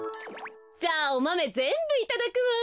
じゃあおマメぜんぶいただくわ。